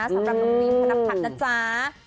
สำหรับหนุ่มฟิล์ธนพัฒน์นะจ๊ะ